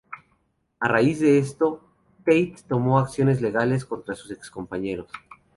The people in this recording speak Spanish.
A raíz de esto, Tate tomó acciones legales contra sus excompañeros.